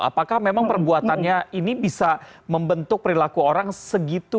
apakah memang perbuatannya ini bisa membentuk perilaku orang segitu